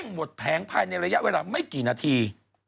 หมดแผงภายในระยะเวลาไม่กี่นาที